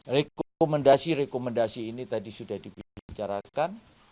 rekomendasi rekomendasi ini tadi sudah dibicarakan